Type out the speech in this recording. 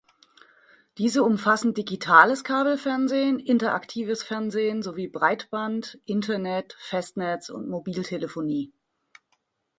Diese umfassen digitales Kabelfernsehen, interaktives Fernsehen sowie Breitband-Internet, Festnetz- und Mobiltelefonie.